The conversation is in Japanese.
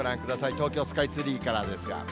東京スカイツリーからですが。